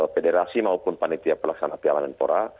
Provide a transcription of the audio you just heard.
federasi maupun panitia pelaksana piala menpora